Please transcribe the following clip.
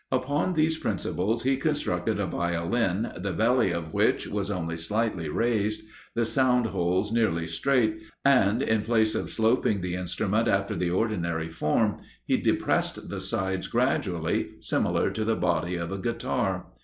Upon these principles he constructed a Violin, the belly of which was only slightly raised, the sound holes nearly straight, and, in place of sloping the instrument after the ordinary form, he depressed the sides gradually, similar to the body of a Guitar.